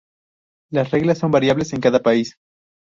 Las reglas son variables en cada país.